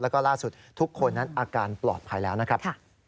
แล้วก็ล่าสุดทุกคนนั้นอาการปลอดภัยแล้วนะครับ